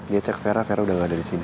dia cek vera vera udah gak ada di sini